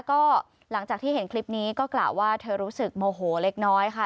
ก็หลังจากที่เห็นคลิปนี้ก็กล่าวว่าเธอรู้สึกโมโหเล็กน้อยค่ะ